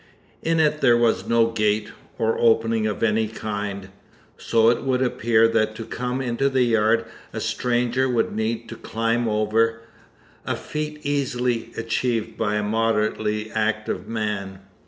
In it there was no gate, or opening of any kind, so it would appear that to come into the yard a stranger would need to climb over, a feat easily achieved by a moderately active man.